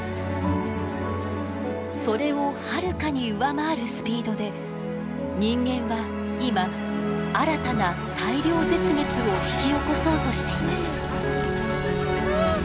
それをはるかに上回るスピードで人間は今新たな大量絶滅を引き起こそうとしています。